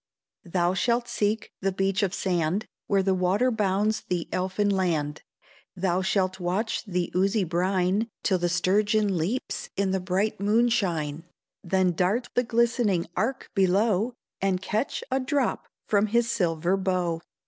"Thou shalt seek the beach of sand Where the water bounds the elfin land, Thou shalt watch the oozy brine Till the sturgeon leaps in the bright moonshine, Then dart the glistening arch below, And catch a drop from his silver bow.